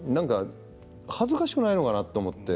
恥ずかしくないのかなと思って。